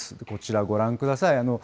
こちらご覧ください。